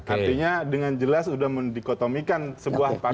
artinya dengan jelas sudah mendikotomikan sebuah pancasila